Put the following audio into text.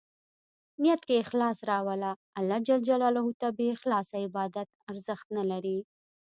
نیت کې اخلاص راوله ، الله ج ته بې اخلاصه عبادت ارزښت نه لري.